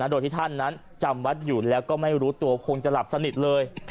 โดยที่ท่านนั้นจำวัดอยู่แล้วก็ไม่รู้ตัวคงจะหลับสนิทเลย